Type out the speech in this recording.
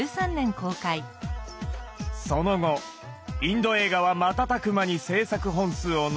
その後インド映画は瞬く間に制作本数を伸ばしていきました。